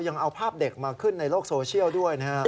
ยังเอาภาพเด็กมาขึ้นในโลกโซเชียลด้วยนะครับ